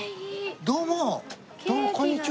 どうもこんにちは。